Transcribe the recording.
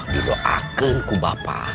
dilo'aken ku bapak